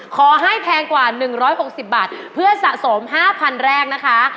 ขอให้แพงกว่าหนึ่งร้อยหกสิบบาทเพื่อสะสมห้าพันแรกนะคะ